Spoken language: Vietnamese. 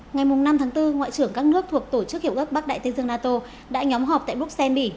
ngày năm tháng bốn ngoại trưởng các nước thuộc tổ chức hiệu ước bắc đại tây dương nato đã nhóm họp tại bruxelles bỉ